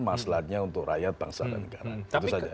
masalahnya untuk rakyat bangsa dan negara